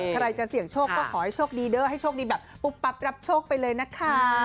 ใครจะเสี่ยงโชคก็ขอให้โชคดีเด้อให้โชคดีแบบปุ๊บปั๊บรับโชคไปเลยนะคะ